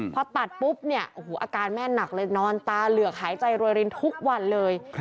พอตัดปุ๊บอาการแม่หนักเลยนอนตาเหลือกหายใจโรยรินทุกวันเลย